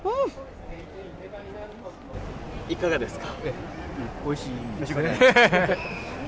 いかがですか？